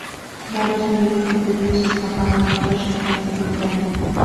Varios miles de judíos escaparon a otras regiones de Ucrania.